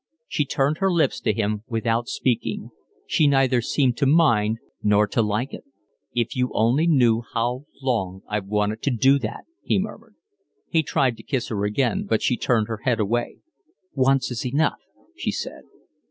She turned her lips to him without speaking. She neither seemed to mind nor to like it. "If you only knew how long I've wanted to do that," he murmured. He tried to kiss her again, but she turned her head away. "Once is enough," she said.